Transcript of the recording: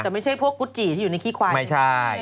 ไม่ใช่พวกกุจิที่อยู่ในขี้ควาย